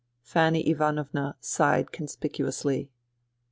Fanny Ivanovna sighed conspicuously.